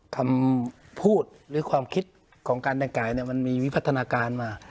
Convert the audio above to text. คำพูดหรือความคิดของการแต่งกายมันมีวิพัฒนาการมา